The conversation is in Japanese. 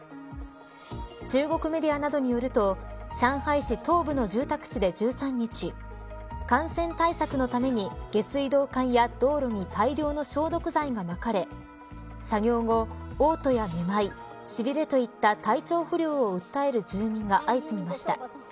中国メディアなどによると上海市東部の住宅地で１３日感染対策のために下水道管や道路に大量の消毒剤がまかれ作業後、おう吐やめまいしびれといった体調不良を訴える住民が相次ぎました。